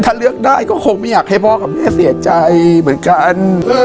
ถ้าเลือกได้ก็คงไม่อยากให้พ่อกับแม่เสียใจเหมือนกัน